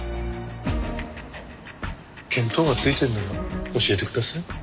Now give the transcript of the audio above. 見当がついてるなら教えてください。